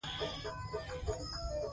هغه ویلي چې سونا ممکن رواني ګټې ولري.